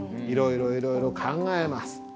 いろいろいろいろ考えます。